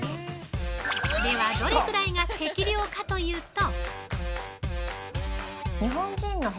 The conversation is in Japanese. では、どれくらいが適量かというと。